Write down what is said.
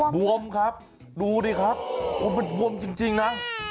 บวมครับดูดิครับโอ้มันบวมจริงนะ